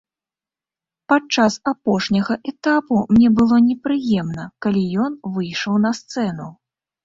Падчас апошняга этапу мне было непрыемна, калі ён выйшаў на сцэну.